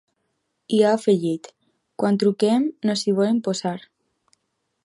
I ha afegit: ‘Quan truquem no s’hi volen posar’.